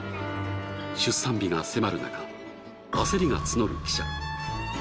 出産日が迫る中焦りが募る記者